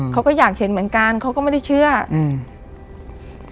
เขาก็อยากเห็นเหมือนกันเขาก็ไม่ได้เชื่ออืม